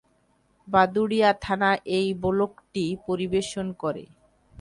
বাদুড়িয়া থানা এই ব্লকটি পরিবেশন করে।